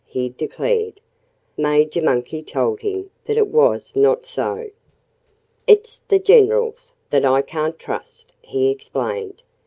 he declared. Major Monkey told him that it was not so. "It's the generals that I can't trust," he explained.